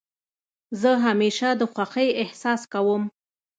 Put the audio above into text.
زه همېشه د خوښۍ احساس کوم.